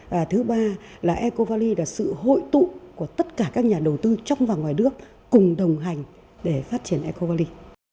và thứ ba ecovalley là sự hội tụ của tất cả các nhà đầu tư trong và ngoài nước cùng đồng hành để phát triển ecovalley